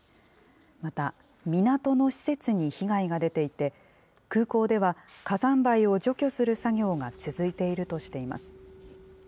また、港の施設に被害が出ていて、空港では火山灰を除去する作業が続いているとしています。